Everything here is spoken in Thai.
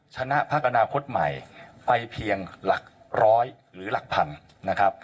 ชนะพักอนาคตใหม่ไปเพียงหลักร้อยหรือหลักพันนะครับ